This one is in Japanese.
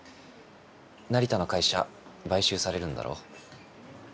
成田の会社買収されるんだろ？